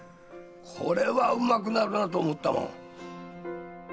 これはうまくなるなと思ったもん。